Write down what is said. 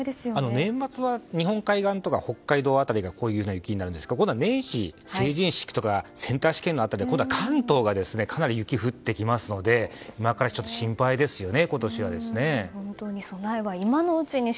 年末は日本海側とか北海道辺りがこういう雪になるんですが今度は年始成人式やセンター式の日は関東がかなり雪が降りますので今からちょっと心配ですよね